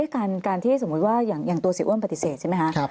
การที่สมมุติว่าอย่างตัวเสียอ้วนปฏิเสธใช่ไหมคะ